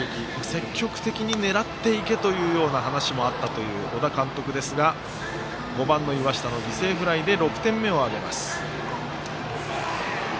積極的に狙っていけというような話もあったという小田監督ですが５番の岩下の犠牲フライで６点目を挙げます。